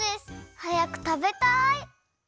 はやくたべたい！